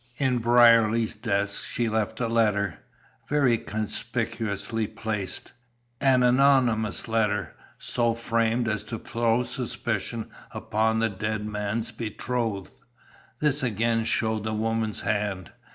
In Brierly's desk she left a letter, very conspicuously placed, an anonymous letter, so framed as to throw suspicion upon the dead man's betrothed. This again showed the woman's hand.